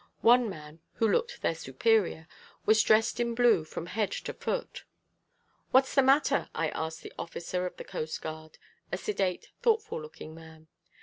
One man, who looked their superior, was dressed in blue from head to foot. "What's the matter?" I asked the officer of the coast guard, a sedate, thoughtful looking man.